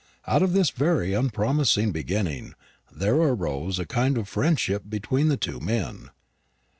Out of this very unpromising beginning there arose a kind of friendship between the two men.